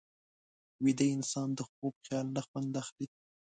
ویده انسان د خوب خیال نه خوند اخلي